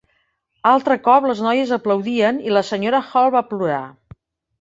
Altre cop les noies aplaudien i la senyora Hall va plorar.